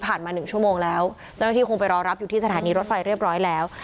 มาหนึ่งชั่วโมงแล้วเจ้าหน้าที่คงไปรอรับอยู่ที่สถานีรถไฟเรียบร้อยแล้ว